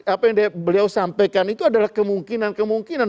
apa yang beliau sampaikan itu adalah kemungkinan kemungkinan